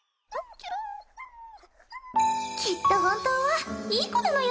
キュルンきっと本当はいい子なのよ